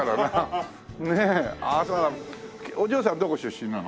お嬢さんどこ出身なの？